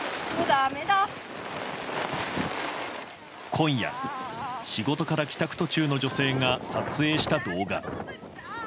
今夜、仕事から帰宅途中の女性が撮影した動画。